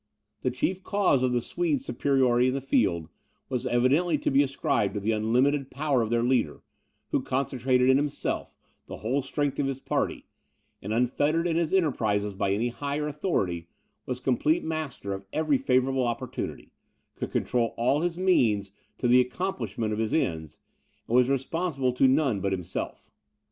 The chief cause of the Swedes' superiority in the field, was evidently to be ascribed to the unlimited power of their leader, who concentrated in himself the whole strength of his party; and, unfettered in his enterprises by any higher authority, was complete master of every favourable opportunity, could control all his means to the accomplishment of his ends, and was responsible to none but himself.